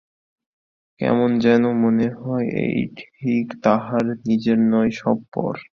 কেমন যেন মনে হয় এ ঠিক তাহার নিজের নয়, সব পর।